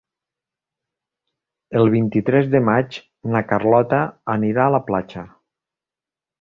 El vint-i-tres de maig na Carlota anirà a la platja.